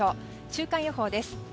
週間予報です。